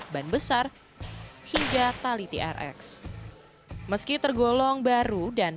ban besar hingga tali trx meski tergolong baru dan